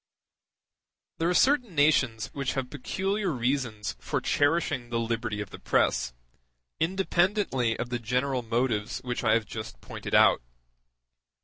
There are certain nations which have peculiar reasons for cherishing the liberty of the press, independently of the general motives which I have just pointed out.